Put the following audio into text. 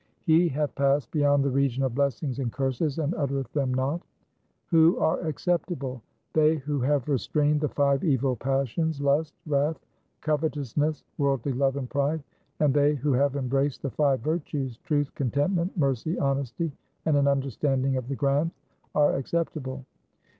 He hath passed beyond the region of blessings and curses and uttereth them not. 1 Who are acceptable ?— They who have restrained the five evil passions — lust, wrath, covetousness, worldly love and pride — and they who have embraced the five virtues — truth, contentment, mercy, honesty, and an understanding of the Granth — are acceptable.